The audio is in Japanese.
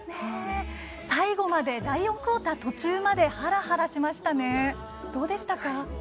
最後まで第４クオーター途中まで、はらはらしましたね。